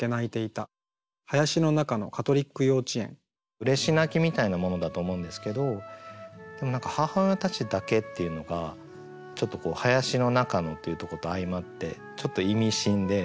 うれし泣きみたいなものだと思うんですけどでも何か「母親たちだけ」っていうのがちょっと「林の中の」というとこと相まってちょっと意味深で。